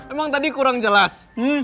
emang tadi kurang jelas